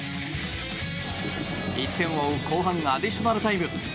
１点を追う後半アディショナルタイム。